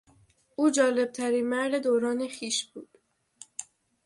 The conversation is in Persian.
او جالبترین مرد دوران خویش بود.